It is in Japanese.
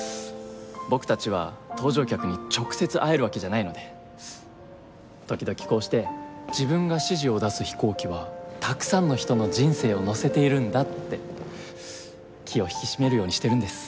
僕たちは搭乗客に直接会えるわけじゃないので時々こうして自分が指示を出す飛行機はたくさんの人の人生を乗せているんだって気を引き締めるようにしてるんです。